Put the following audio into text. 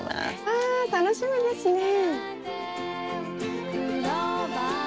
わ楽しみですね。